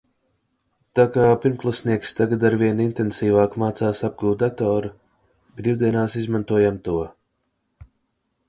Tā kā pirmklasnieks tagad arvien intensīvāk mācās apgūt datoru, brīvdienās izmantojām to.